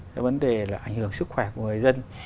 cái vấn đề là ảnh hưởng sức khỏe của người dân